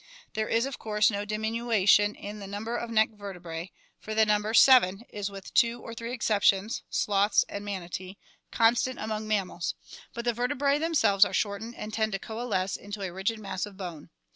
There is of course no diminution in the num ber of neck vertebrae, for the number, seven, is with two or three exceptions (sloths and manatee) constant among mammals; but the vertebrae themselves are shortened and tend to coalesce into a rigid mass of bone.